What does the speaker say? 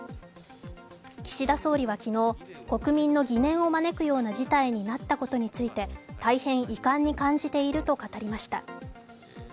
岸田総理は昨日国民の疑念を招くような事態になったことについて大変遺憾に感じていると語りました。